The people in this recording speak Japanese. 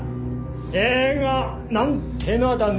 映画なんてのはだね